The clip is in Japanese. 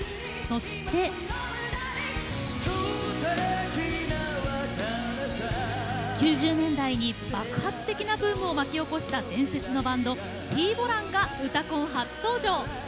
そして９０年代に爆発的なブームを巻き起こした伝説のバンド、Ｔ−ＢＯＬＡＮが「うたコン」初登場。